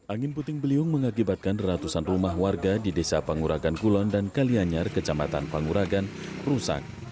angin puting beliung mengakibatkan ratusan rumah warga di desa panguragan kulon dan kalianyar kecamatan panguragan rusak